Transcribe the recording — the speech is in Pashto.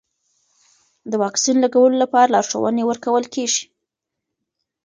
د واکسین لګولو لپاره لارښوونې ورکول کېږي.